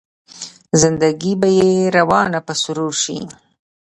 زنده ګي به يې روانه په سرور شي